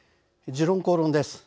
「時論公論」です。